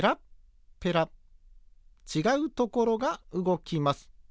ちがうところがうごきます。